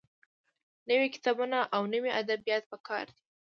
نوي کتابونه او نوي ادبيات پکار دي.